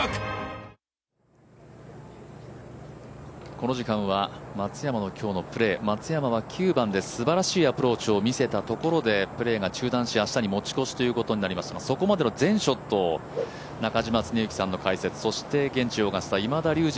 この時間は松山の今日のプレー松山は９番ですばらしいアプローチを見せたところでプレーが中断し明日に持ち越しということになりましたがそこまでの全ショットを中嶋常幸さんの解説、そして現地オーガスタ今田竜二